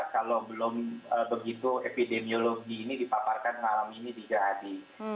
kalau belum begitu epidemiologi ini dipaparkan malam ini di gerhadi